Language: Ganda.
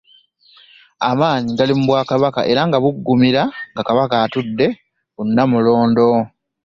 Amaanyi gali mu Bwakabaka era nga buggumira nga Kabaka atudde ku Nnamulondo.